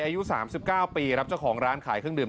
อายุ๓๙ปีครับเจ้าของร้านขายเครื่องดื